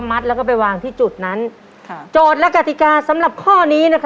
แปลกแปลกมานี้